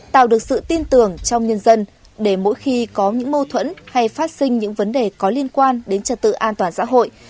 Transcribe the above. tạo được sự tin tưởng trong nhân dân để mỗi khi có những mâu thuẫn hay phát sinh những vấn đề có liên quan đến trật tự an toàn xã hội